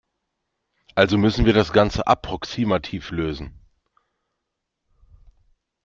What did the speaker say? Also müssen wir das Ganze approximativ lösen.